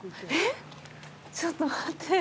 ちょっと待って。